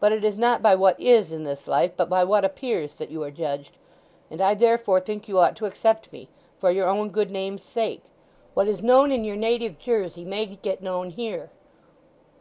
"But it is not by what is, in this life, but by what appears, that you are judged; and I therefore think you ought to accept me—for your own good name's sake. What is known in your native Jersey may get known here."